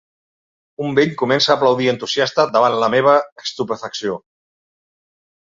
Un vell comença a aplaudir entusiasta davant de la meva estupefacció.